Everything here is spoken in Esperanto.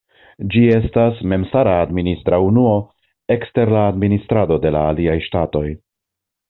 Ĝi estas memstara administra unuo ekster la administrado de la aliaj ŝtatoj.